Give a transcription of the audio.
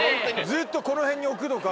ずっとこの辺に置くのか。